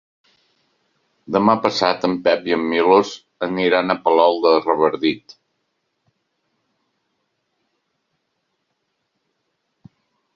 Demà passat en Pep i en Milos aniran a Palol de Revardit.